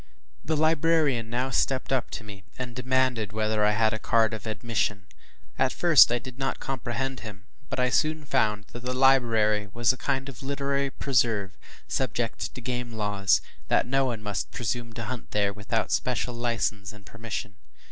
The librarian now stepped up to me, and demanded whether I had a card of admission. At first I did not comprehend him, but I soon found that the library was a kind of literary “preserve,” subject to game laws, and that no one must presume to hunt there without special license and permission.